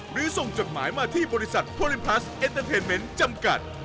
หรือส่งจดหมายมาที่บริษัทโพลิมพลัสเอ็นเตอร์เทนเมนต์จำกัด